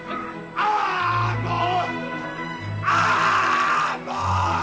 ああもう。